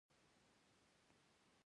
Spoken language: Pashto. ولایتونه د افغانستان په هره برخه کې شته.